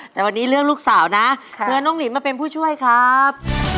แต่วันนี้เลือกลูกสาวนะเชิญน้องหลินมาเป็นผู้ช่วยครับ